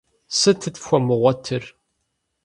Сытыт фхуэмыгъуэтыр?